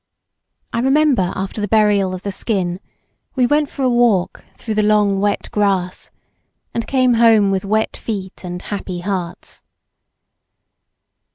I remember after the burial of the skin we went for a walks through the long wet grass, and came home with wet feet and happy hearts.